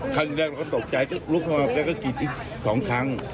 ครั้งแรกเขาตกใจแล้วก็กรีดอีก๒ครั้ง